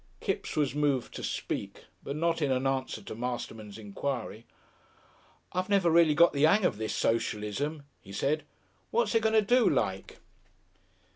Kipps was moved to speak, but not in answer to Masterman's enquiry. "I've never rightly got the 'eng of this Socialism," he said. "What's it going to do, like?"